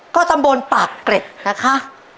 ก็ตำบลปากเกร็ดนะคะ